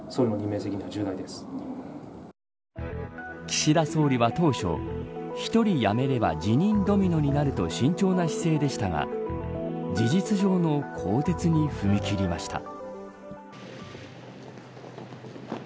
岸田総理は当初一人辞めれば自民ドミノになると慎重な姿勢でしたが事実上の更迭に踏み切りました。